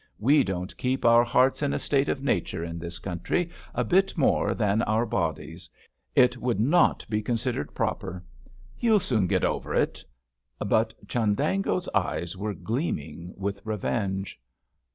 We don't keep our hearts in a state of nature in this country a bit more than our bodies it would not be considered proper; you'll soon get over it" but Chundango's eyes were gleaming with revenge.